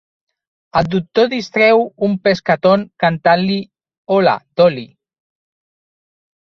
El doctor distreu un Pescaton cantant-li "Hola, Dolly!".